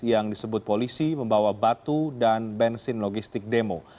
yang disebut polisi membawa batu dan bensin logistik demo